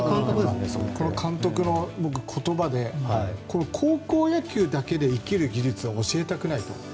この監督の言葉で高校野球だけで生きる技術は教えたくないと。